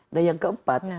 nah yang keempat